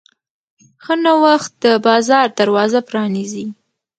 ښه نوښت د بازار دروازه پرانیزي.